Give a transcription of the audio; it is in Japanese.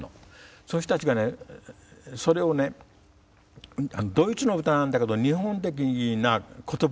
そういう人たちがねそれをねドイツの歌なんだけど日本的な言葉をつけてね歌ってた。